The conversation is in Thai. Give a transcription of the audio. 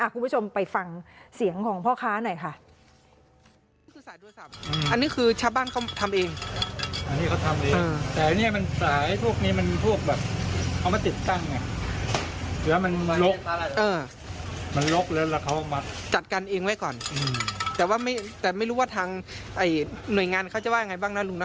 คุณผู้ชมไปฟังเสียงของพ่อค้าหน่อยค่ะ